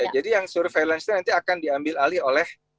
jadi yang surveillance ini nanti akan diambil alih oleh